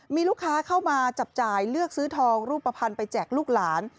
มีลูกค้าเข้ามาจับจ่ายเลือกซื้อทองรูปภัณฑ์ไปแจกลูกหลาน